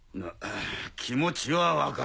気持ちは分かる。